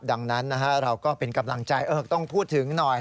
ดังนั้นเราก็เป็นกำลังใจต้องพูดถึงหน่อย